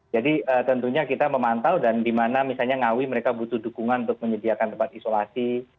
jadi tentunya kita memantau dan di mana misalnya ngawi mereka butuh dukungan untuk menyediakan tempat isolasi